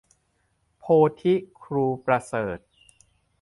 โพธิครูประเสริฐ